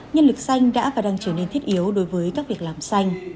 nhân lực xanh đã và đang trở nên thiết yếu đối với các việc làm xanh